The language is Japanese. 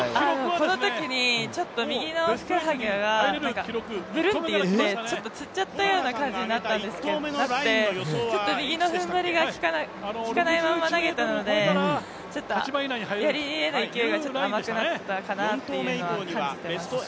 このときにちょっと右のふくらはぎがブルンっていって、ちょっとつっちゃったような感じになって、ちょっと右の踏ん張りがきかないまま投げたので、やりの勢いがちょっと甘くなったのかなというのは感じてます。